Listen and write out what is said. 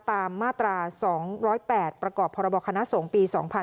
ตามมาตรา๒๐๘ประกอบพคสป๒๕๐๕